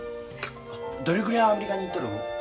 どれぐらいアメリカに行っとる？